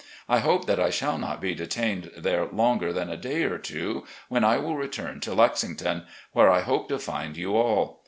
I hope that I shall not be detained there longer than a day or two, when I will return to Lexington, where I hope to find you all.